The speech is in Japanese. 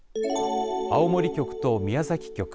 青森局と宮崎局。